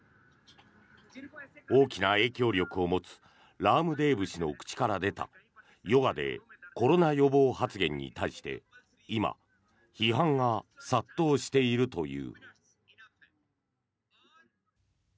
大きな影響力を持つラームデーブ氏の口から出たヨガでコロナ予防発言に対して今、批判が殺到しているという。